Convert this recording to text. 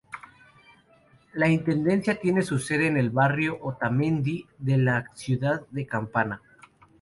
La intendencia tiene su sede en el barrio Otamendi de la ciudad de Campana.